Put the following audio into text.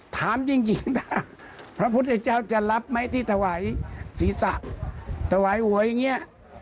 ถามจริงนะพระพุทธเจ้าจะรับไหมที่ถวายศีรษะถวายหวยอย่างนี้